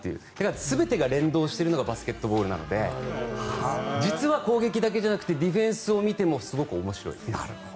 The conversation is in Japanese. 全てが連動しているのがバスケットボールなので実は攻撃だけじゃなくてディフェンスを見てもすごく面白い。